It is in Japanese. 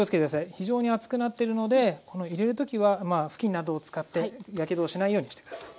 非常に熱くなってるのでこの入れる時は布巾などを使ってやけどをしないようにして下さい。